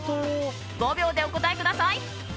５秒でお答えください。